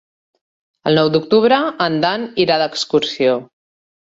El nou d'octubre en Dan irà d'excursió.